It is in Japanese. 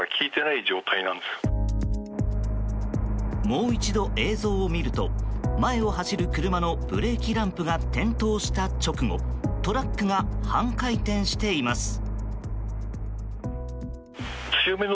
もう一度映像を見ると前を走る車のブレーキランプが点灯した直後トラックが半回転しています。